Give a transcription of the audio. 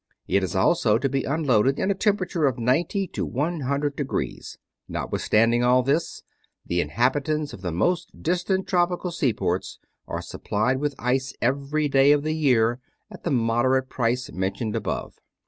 It has also to be unloaded in a temperature of ninety to one hundred degrees. Notwithstanding all this, the inhabitants of the most distant tropical seaports are supplied with ice every day of the year at the moderate price mentioned above.